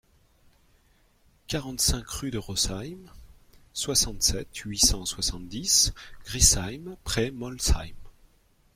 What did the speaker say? quarante-cinq rue de Rosheim, soixante-sept, huit cent soixante-dix, Griesheim-près-Molsheim